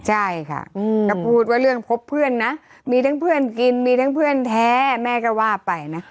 ใช่ค่ะก็พูดว่าเรื่องพบเพื่อนนะมีทั้งเพื่อนกินมีทั้งเพื่อนแท้แม่ก็ว่าไปนะ